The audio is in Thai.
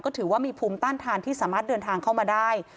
ถือว่ามีภูมิต้านทานที่สามารถเดินทางเข้ามาได้